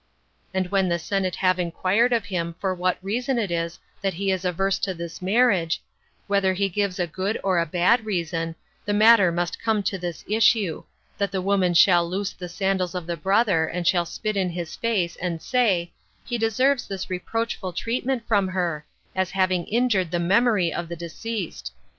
And when the senate have inquired of him for what reason it is that he is averse to this marriage, whether he gives a bad or a good reason, the matter must come to this issue, That the woman shall loose the sandals of the brother, and shall spit in his face, and say, He deserves this reproachful treatment from her, as having injured the memory of the deceased.